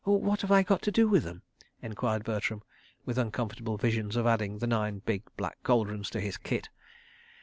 "What have I got to do with them?" enquired Bertram, with uncomfortable visions of adding the nine big black cauldrons to his kit.